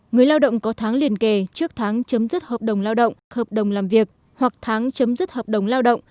người lao động có tháng liền kề trước tháng chấm dứt hợp đồng lao động hợp đồng làm việc hoặc tháng chấm dứt hợp đồng lao động